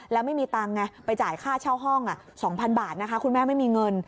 แล้วไม่มีตังค์ไงไปจ่ายค่าเช่าห้อง๒๐๐๐บาทนะคะคุณแม่ไม่มีเงิน